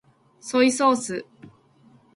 ソイソース